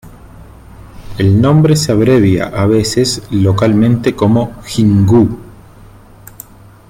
El nombre se abrevia a veces localmente como "Jin-gu".